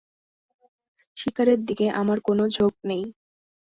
শিকারের দিকে আমার কোনো ঝোঁক নেই।